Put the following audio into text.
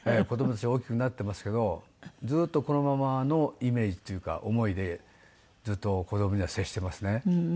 子供たち大きくなってますけどずっとこのままのイメージというか思いでずっと子供には接してますね。